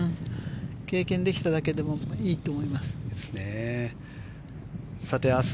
経験できただけでもいいと思います。